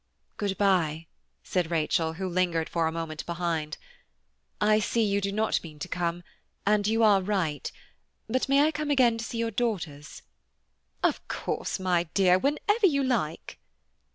"Good bye," said Rachel, who lingered for a moment behind, "I see you do not mean to come, and you are right: but may I come again to see your daughters?" "Of course, my dear, whenever you like."